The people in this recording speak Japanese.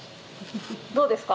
どうですか？